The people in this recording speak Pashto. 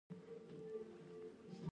د سویا غوړي د ښځو لپاره وکاروئ